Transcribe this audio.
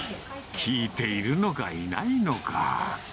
聞いているのかいないのか。